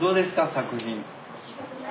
作品。